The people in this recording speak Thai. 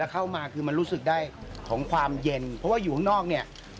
เข้ามาคือมันรู้สึกได้ของความเย็นเพราะว่าอยู่ข้างนอกเนี่ย